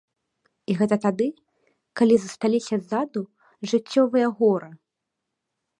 І гэта тады, калі засталіся ззаду жыццёвыя горы.